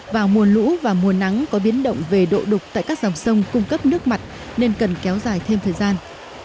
vào mùa lũ và mùa nắng có biến động về độ đục tại các dòng sông cung cấp nước mặt nên cần kéo dài thêm thời gian